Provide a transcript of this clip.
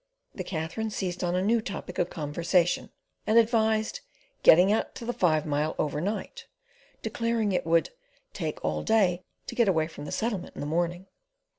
The Katherine seized on the new topic of conversation, and advised "getting out to the five mile overnight," declaring it would "take all day to get away from the Settlement in the morning."